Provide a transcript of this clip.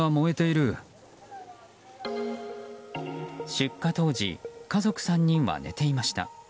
出火当時家族３人は寝ていました。